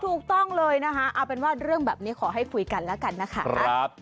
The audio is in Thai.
ถูกต้องเลยนะคะเอาเป็นว่าเรื่องแบบนี้ขอให้คุยกันแล้วกันนะคะ